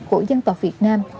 của dân tộc việt nam